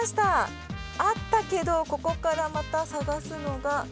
あったけどここからまた探すのが。